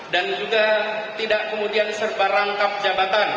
dan juga tidak kemudian serba rangkap jabatan